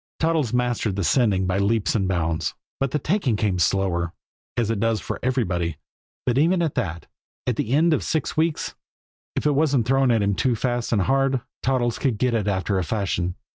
Toddles mastered the "sending" by leaps and bounds; but the "taking" came slower, as it does for everybody but even at that, at the end of six weeks, if it wasn't thrown at him too fast and hard, Toddles could get it after a fashion.